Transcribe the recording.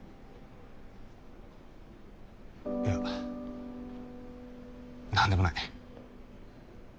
いや何でもない。